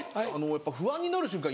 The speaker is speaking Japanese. やっぱ不安になる瞬間